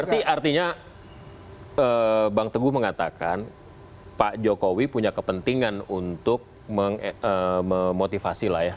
berarti artinya bang teguh mengatakan pak jokowi punya kepentingan untuk memotivasi lah ya